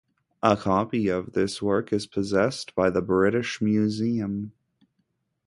A copy of this work is possessed by the British Museum.